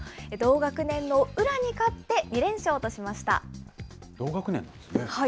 同学年の宇良に勝って、２連勝としました。